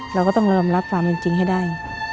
เราก็ต้องเริ่มรับความเป็นจริงให้ได้